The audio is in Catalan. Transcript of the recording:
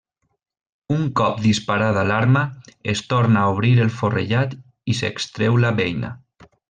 Un cop disparada l'arma, es torna a obrir el forrellat i s'extreu la beina.